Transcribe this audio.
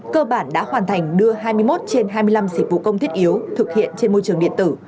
cơ bản đã hoàn thành đưa hai mươi một trên hai mươi năm dịch vụ công thiết yếu thực hiện trên môi trường điện tử